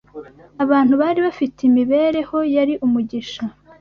abantu bari bafite imibereho yari umugisha